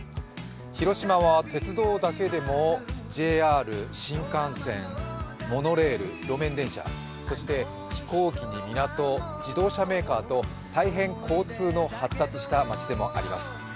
広島は鉄道だけでもＪＲ、新幹線、モノレール、路面電車、そして飛行機に港、自動車メーカーと大変交通の発達した町でもあります。